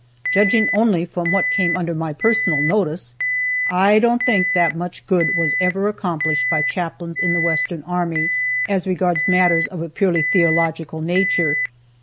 Judging only from what came under my personal notice, I don't think that much good was ever accomplished by chaplains in the Western army, as regards matters of a purely theological nature.